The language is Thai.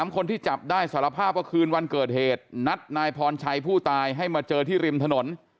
คนที่จับได้สารภาพว่าคืนวันเกิดเหตุนัดนายพรชัยผู้ตายให้มาเจอที่ริมถนน